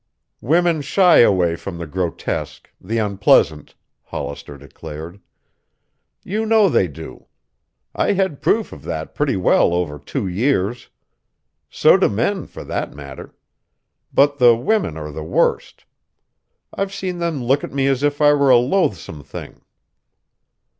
"Women shy away from the grotesque, the unpleasant," Hollister declared. "You know they do. I had proof of that pretty well over two years. So do men, for that matter. But the women are the worst. I've seen them look at me as if I were a loathsome thing."